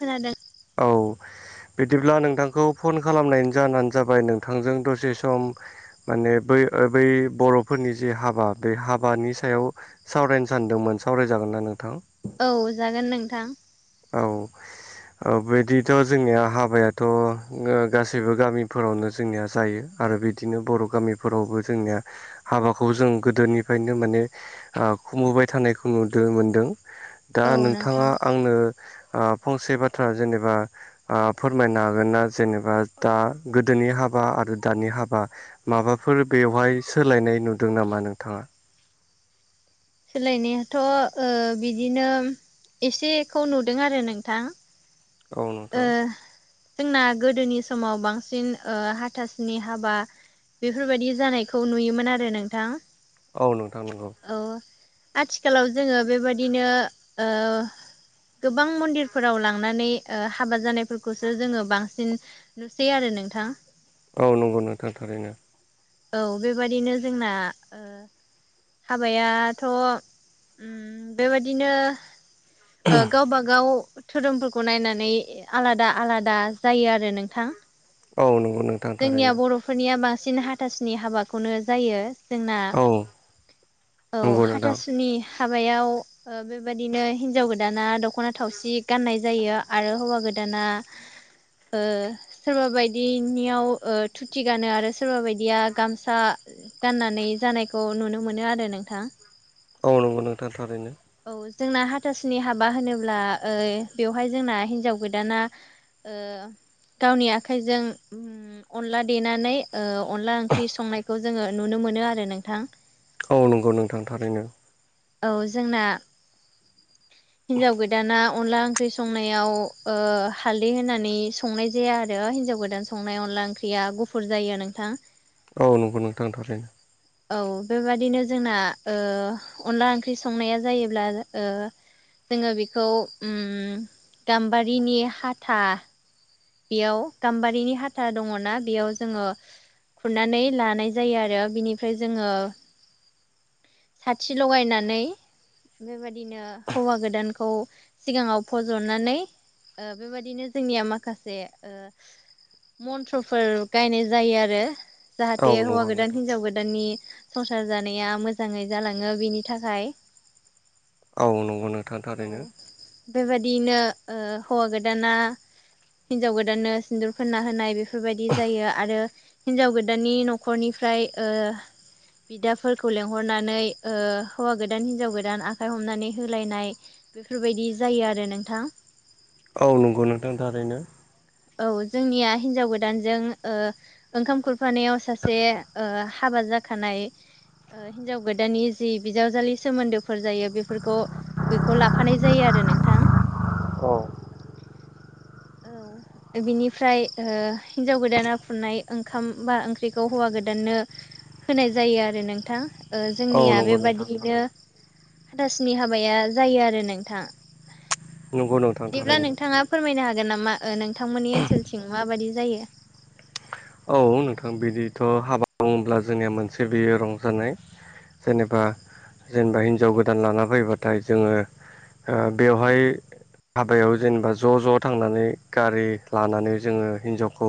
खोनादों औ बिदिब्ला नोंथांखौ फन खालामनायनि जानो जाबाय नोंथांजों दसे सम माने बै ओ बै बर'फोरनि जे हाबा बे हाबानि सायाव सावरायनो सानदोंमोन सावरायजागोन ना नोंथां औ जागोन नोंथां औ अ बिदिथ' जोंनिया हाबायाथ' गो गासैबो गामिफोरावनो जोंनिया जायो आरो बिदिनो बर' गामिफोरावबो जोंनिया हाबाखौ जों गोदोनिफ्रायनो माने आ खुमुबाय थानायखौ नुदो मोनदों दा औ नोंथां नोंथाङा आंनो ओ फंसे बाथ्रा जेनेबा ओ फोरमायनो हागोनना जेनेबा दा गोदोनि हाबा आरो दानि हाबा माबाफोर बेवहाय सोलायनाय नुदों नामा नोंथाङा? सोलायनायाथ' ओ बिदिनो एसेखौ नुदों आरो नोंथां। औ ओ नोंथां जोंना गोदोनि समाव बांसिन ओ हाथासुनि हाबा बेफोरबायदि जानायखौ नुयोमोन आरो नोंथां। औ नोंथां नंगौ औ आथिखालाव जोङो बेबादिनो ओ गोबां मन्दिरफोराव लांनानै ओ हाबा जानायफोरखौसो जोङो बांसिन नुसै आरो नोंथां औ नंगौ नोंथां थारैनो औ बेबादिनो जोंना ओ हाबायाथ' उम बेबादिनो ओ गावबागाव धोरोमफोरखौ नायनानै आलादा आलादा जायो आरो नोंथां औ नंगौ नोंथां थारैनो फोरनिया बांसिन हाथासुनि हाबाखौनो जायो जोंना औ औ नंगौ नोंथां हाथासुनि हाबायाव ओ बेबायदिनो हिन्जाव गोदाना दख'ना थावसि गाननाय जायो आरो हौवा गोदाना ओ सोरबा बायदिनियाव ओ धुति गानो आरो सोरबा बाय दिया गामसा गाननानै जानायखौ नुनो मोनो आरो नोंथां औ नंगौ नोंथां थारैनो औ जोंना हाथासुनि हाबा होनोब्ला ओ बेवहाय जोंना हिन्जाव गोदाना ओ गावनि आखाइजों उम अनला देनानै ओ अनला ओंख्रि संनायखौ जोङो नुनो मोनो आरो नोंथां औ नंगौ नोंथां थारैनो औ जोंना हिन्जाव गोदाना अनला ओंख्रि संनायाव ओ हालदै होनानै संनाय जाया आरो हिन्जाव गोदान संनाय अनला ओंख्रिया गुफुर जायो नोंथां औ नंगौ नोंथां थारैनो औ बेबादिनो जोंना ओ अनला ओंख्रि संनाया जायोब्ला ओ जोङो बेखौ उम गाम्बारिनि हाथा बेयाव गाम्बारिनि हाथा दङ'ना बेयाव जोङो खुरनानै लानाय जायो आरो बिनिफ्राय जोङो साथि लगायनानै बेबादिनो हौवा गोदानखौ सिगाङाव फज'नानै ओ बेबायदिनो जोंनिया मा खासे ओ मन्थ्र'फोर गायनाय जायो आरो औ जाहाते हौवा नंगौ गोदान नोंथां हिनजाव गोदाननि संसार जानाया मोजाङै जालाङो बेनि थाखाय औ नंगौ नोंथां थारैनो बेबादियैनो ओ हौवा गोदाना हिन्जाव गोदाननो सिन्दुर फोनना होनाय बेफोरबायदि जायो आरो हिन्जाव गोदाननि न'खरनिफ्राय ओ बिदाफोरखौ लेंहरनानै ओ हौवा गोदान हिनजाव गोदान आखाइ हमनानै होलायनाय बेफोरबायदि जायो आरो नोंथां। औ नंगौ नोंथां थारैनो। औ जोंनिया हिन्जाव गोदानजों ओ ओंखाम खुरफानायाव सासे ओ हाबा जाखानाय ओ हिन्जाव गोदाननि जि बिजावजालि सोमोन्दोफोर जायो बेफोरखौ बेखौ लाफानाय जायो आरो नोंथां औ औ बिनिफ्राय ओ हिनजाव गोदाना फुननाय ओंखाम बा ओंख्रिखौ हौवा गोदाननो होनाय जायो आरो नोंथां ओ औ जोंनिया नंगौ नोंथां बेबादियैनो थारैनो हाथासुनि हाबाया जायो आरो नोंथां नंगौ नोंथां बिदिब्ला थारैनो नोंथाङा फोरमायनो हागोन नामा ओ नोंथांमोननि ओनसोलथिं माबायदि जायो औ नोंथां बिदिथ' हाबा बुङोब्ला जोंनिया मोनसे बियो रंजानाय। औ जेनेबा जेनेबा हिनजाव गोदान लाना फैबाथाय जोङो। ओ बेवहाय हाबायाव जेनेबा ज' ज' थांनानै गारि लानानै जोङो हिनजावखौ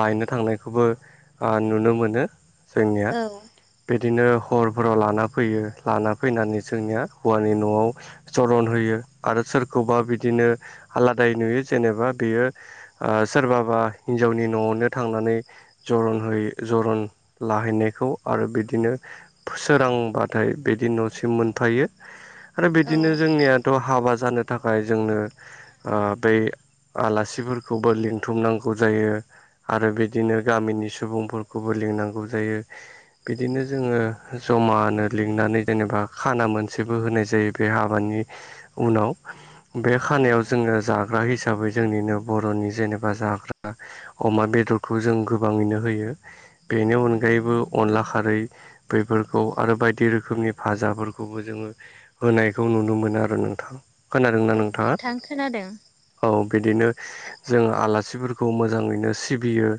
लायनो थांनायखौबो ओ नुनो मोनो जोंनिया। औ बिदिनो हरफोराव लाना फैयो लाना फैनानै जोंनिया हौवानि न'आव जरन होयो आरो सोरखौबा बिदिनो आलादाय नुयो जेनेबा बेयो ओ सोरबाबा हिनजावनि न'आवनो थांनानै जरन हो जरन लाहैनायखौ आरो बिदिनो सोरांबाथाय बिदि न'सिम मोनफायो आरो बिदिनो जोंनिया थ' हाबा जानो थाखाय जोंनो ओ बै आलासिफोरखौबो लिंथुमनांगौ जायो। आरो बिदिनो गामिनि सुबुंफोरखौबो लिंनांगौ जायो। बिदिनो जोङो जमानो लिंनानै जेनेबा खाना मोनसेबो होनाय जायो। बे हाबानि उनाव बे खानायाव औ जोङो जाग्रा हिसाबै जोंनिनो बर'नि जेनेबा जाग्रा अमा बेदरखौ जों गोबाङैनो होयो बेनि अनगायैबो अनला खारै बेफोरखौ आरो बायदि रोखोमनि फाजाफोरखौबो जोङो होनायखौ नुनो मोनो आरो नोंथां खोनादोंना औ नोंथाङा? नोंथां खोनादों औ बिदिनो जोङो आलासिफोरखौ मोजाङैनो सिबियो।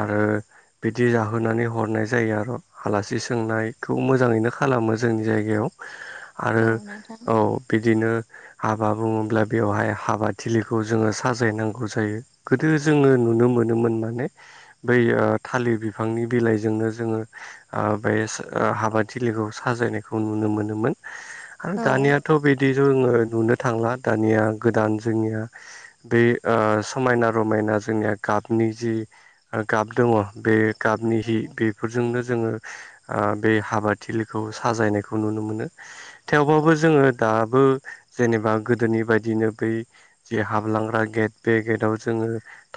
आरो बिदि जाहोनानै हरनाय जायो आरो। आलासि सोंनायखौ मोजाङैनो खालामो जोंनि जायगायाव। आरो औ नोंथां औ बिदिनो हाबा बुङोब्ला बेवहाय हाबा थिलिखौ जोङो साजायनांगौ जायो। गोदो जोङो नुनो मोनोमोन माने बै ओ थालिर बिफांनि बिलाइजोंनो जोङो ओ बे सो ओ हाबाथिलिखौ साजायनायखौ नुनो मोनोमोन‌। आरो औ दानियाथ' बिदि जोङो नुनो थांला दानिया गोदान जोंनिया बे ओ समायना रमायना जोंनिया गाबनि जि गाब दङ बे गाबनि हि बे बेफोरजोंनो जोङो ओ बे हाबाथिलिखौ साजायनायखौ नुनो मोनो। थेवबाबो जोङो दाबो जेनेबा गोदोनि बायदिनो बै जि हाबलांग्रा गेट बे गेटआव जोङो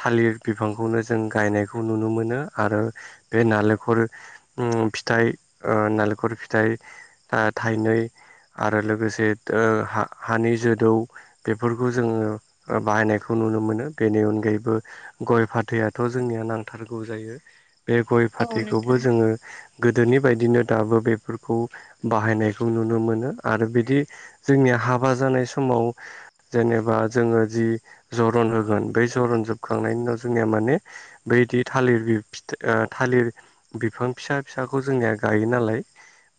थालिर बिफांखौनो जों गायनायखौ नुनो मोनो आरो बे नालेंखर उम फिथाइ ओ नालेंखर फिथाइ ओ थाइनै आरो लोगोसे ओ हा-हानि जोदौ बेफोरखौ जोङो बाहायनायखौ नुनो मोनो बेनि अनगायैबो गय फाथैआथ' जोंनिया नांथारगौ जायो बे गय औ फाथैखौबो नोंथां जोङो गोदोनि बायदिनो दाबो बेफोरखौ बाहायनायखौ नुनो मोनो आरो बिदि जोंनिया हाबा जानाय समाव जेनेबा जोङो जि जरन होगोन बै जरन जोबखांनायनि उनाव जोंनिया माने बैदि थालिर बि फि फिथाइ थालिर बिफां फिसा फिसाखौ जोंनिया गायो नालाय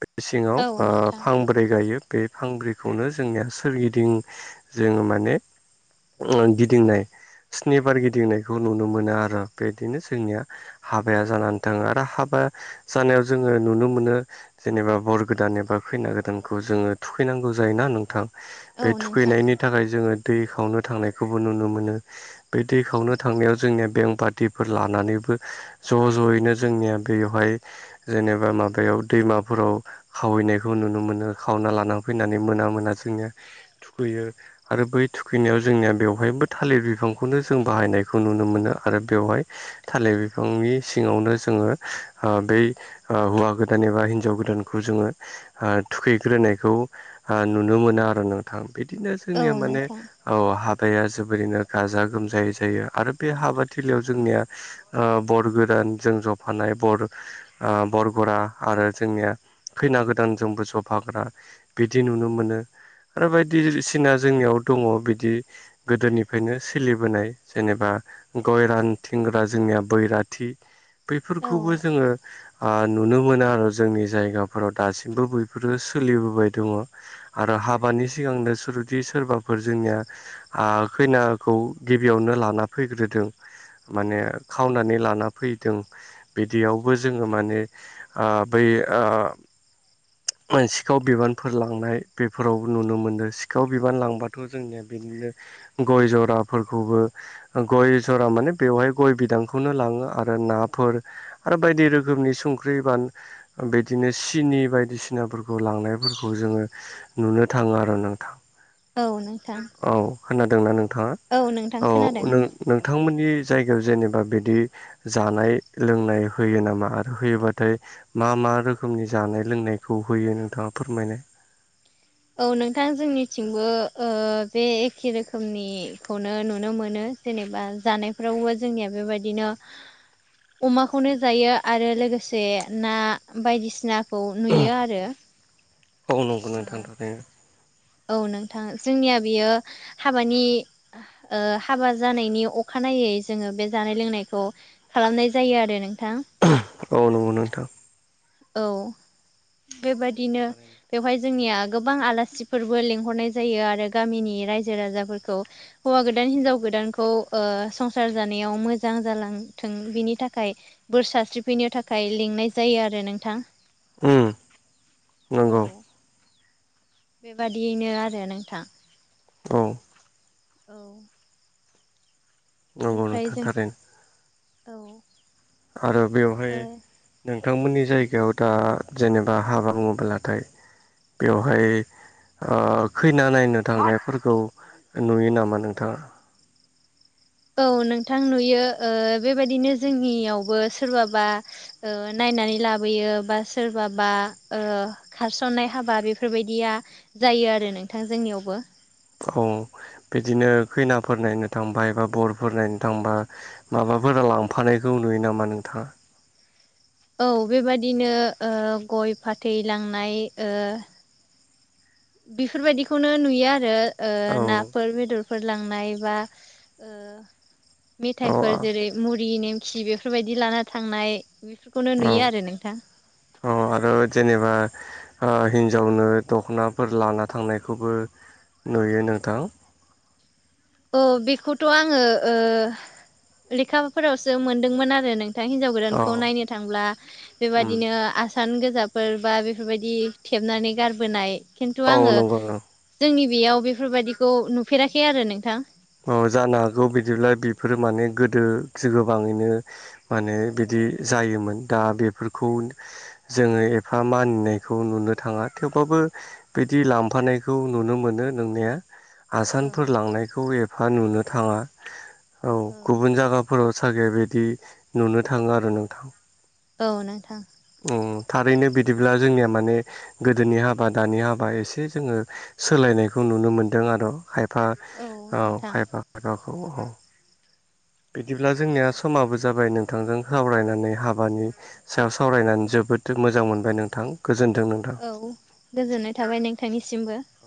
बे सिङाव औ ओ नोंथां फांब्रै ब्रै गायो बे फांब्रैखौनो जोंनिया सोरगिदिं जोङो माने गिदिंनाय स्निबार गिदिंनायखौ नुनो मोनो आरो बेदिनो जोंनिया हाबाया जानानै थाङो आरो हाबा जानायाव जोङो नुनो मोनो जेनेबा बर गोदान एबा खैना गोदानखौ जोङो थुखैनांगौ जायोना नोंथां। बे औ नोंथां थुखैनायनि थाखाय जोङो दै खावनो थांनायखौबो नुनो मोनो बे दै खावनो थांनायाव जोंनिया बेंक बािफोर लानानैबो ज' ज'यैनो जोंनिया बेवहाय जेनेबा माबायाव दैमाफोराव खावैनायखौ नुनो मोनो खावना लाना फैनानै मोना मोना जोंनिया खैयो आरो बै थुखैनायाव जोंनिया बेवहायबो थालिर बिफांखौनो जों बाहायखौ खौ नुनो मोनो आरो बेवहाय थालिर बिफांनि सिङावनो जोङो ओ बै ओ हौवा गोदान एबा हिनजाव गोदानखौ जोङो हो थुखैग्रोनायखौ हो नुनो मोनो आरो ना थां बिदिनो औ जोंनिया माने नोंथां औ हाबाया जोबोरैनो गाजा गोमजायै जायो आरो बे हाबाथिलियाव जोंनिया ओ बर गोदान जों जफानाय बर ओ बरगरा आरो जोंनिया खैना गोदानजोंबो जफाग्रा बिदि नुनो मोनो बायदिसिना जोंनियाव दङ बिदि गोदोनिफ्रायनो सोलिबोनाय जेनेबा गय रानथिनग्रा जोंनिया बैराथि औ बैफोरखौबो जोङो हा नुनो मोनो आरो जोंनि जायगाफोराव दासिमबो बैफोरो सोलिबोबाय दङ आरो हाबानि सिगांनो सुरदि सोरबा फोर जोंनिया हा खैनाखौ गिबियावनो लाना फैग्रोदों माने खावनानै लाना फैदों बिदियावबो जोङो माने ओ बै ओ मो सिखाव बिबानफोर लांनाय बेफोरावबो नुनो मोनदों सिखाव बिबान लांबाथ' जोंनिया बिदिनो गय जराफोरखौबो गय जरा माने बेवहाय गय बिदांखौनो लाङो आरो नाफोर आरो बायदि रोखोमनि संख्रि बान बिदिनो सिनि बायदिसिना नाफोरखौ लांनायफोरखौ जोङो नुनो थाङो आरो नोंथां औ नोंथां औ खोनादोंना नोंथाङा? औ नोंथां खोनादों नोंथांमोननि जायगायाव जेनेबा बेदि जानाय लोंनाय होयो नामा आरो होयोबाथाय मा मा रोखोमनि जानाय लोंनाय खौ होयो नोंथाङा फोरमायनाय औ नोंथां जोंनिथिंबो ओ बे एखे रोखोमनिखौनो नुनो मोनो जेनेबा जानायफोरावबो जोंनिया बेबायदिनो अमाखौनो जायो आरो लोगोसे ना बायदिसिनाखौ नुयो आरो औ नंगौ ओ नोंथां थारैनो औ नोंथां जोंनिया बेयो हाबानि ओ हाबा जानायनि अखानायै जोङो बे जानाय लोंनायखौ खालामनाय जायो आरो नोंथां औ नंगौ नोंथां औ बेबाददिनो बेवहाय जोंनिया गोबां आलासिफोरबो लेंहरनाय जायो आरो गामिनि रायजो राजाफोरखौ हौवा गोदान हिनजाव गोदानखौ संसार जानायाव मोजां जालांथों बिनि थाखाय बोर सस्रि फैनो थाखाय लिंनाय जायो आरो नों नोंथां उम औ नंगौ बादियैनो आरो नोंथां औ औ नंगौ बेनिफ्राय नोंथां जों थारैनो औ आरो बेवहाय ओ नोंथांमोननि जायगायाव दा जेनेबा हाबा बुङोबलाथाय बेवहाय ओ खैना नायनो थांनायफोरखौ नुयो नामा नोंथाङा? औ नोंथां नुयो ओ बेबायदिनो जोंनियावबो सोरबाबा ओ नायनानै लाबोयो बा सोरबाबा खारसननाय हाबा बेफोरबायदिया जायो आरो नोंथां जोंनियावबो औ बिदिनो खैनाफोर नायनो थांबाय एबा बरफोर नायनो थांबा माबाफोरा लांफानायखौ नुयो नामा नोंथाङा औ बेबादिनो ओ गय फाथै लांनाय ओ बेफोरबायदिखौनो नुयो आरो ओ औ नाफोर बेदर फोर लांनाय बा ओ औ मेथफोर जेरै- मुरि नेमखि बे बेफोरबायदि लाना थांनाय बेफोरखौनो नुयो आरो नोंथां अ आरो जेनेबा ओ हिनजावनो दख'नाफोर लाना थांनायखौबो नुयो नोंथां अ बेखौथ' आङो ओ लेखाफोरावसो मोनदोंमोन आरो नों थां हिन्जाव औ गोदानखौ नायनो थांब्ला उम बेबायदिनो आसान गोजाफोर बा बेफोरबायदि थेबनानै गारबोनाय खिन्थु औ आङो नंगौ नों जोंनि बेयाव बेफोरबायदिखौ नुफेराखै आरो नोंथां औ जानो हागौ बिदिब्ला बेफोरो माने गोदो गोबाङैनो मा होनो बिदि जायोमोन दा बेफोरखौ जोङो एफा मानिनायखौ नुनो थाङा थेवबाबो बिदि लांफानायखौ नुनो मोनो नोंनाया औ आसानफोर लांनायखौ एफा नुनो थाङा औ गुबुन जायगा फोराव सागे बिदि नुनो थाङो आरो नोंथां औ नोंथां औ थारैनो बिदिब्ला जोंनिया माने गोदोनि हाबा दानि हाबा एसे जोङो सोलायनायखौ नुनो मोनदों आरो खायफा औ खायफा खायफाखौ औ बिदिब्ला जोंनिया समाबो जाबाय नोंथांजों सावरायनानै हाबानि सायाव सावरायनानै जोबोद मोजां मोनबाय नों औ गोजोननाय थाबाय नोंथांनिसिमबो। औ